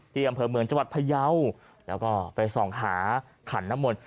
ในกำเผื่อเมืองจังหวัดพระเยาแล้วก็ไปส่องหาขันนมนต์